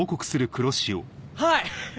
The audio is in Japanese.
はい！